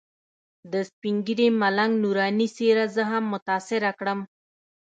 د سپین ږیري ملنګ نوراني څېرې زه هم متاثره کړم.